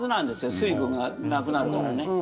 水分がなくなるからね。